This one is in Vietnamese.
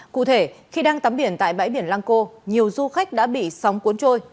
cụ thể khi đang tắm biển tại bãi biển lang co nhiều du khách đã bị sóng cuốn trôi